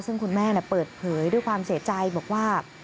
ซึ่งคุณแม่เปิดเผยด้วยความเสียใจบอกว่า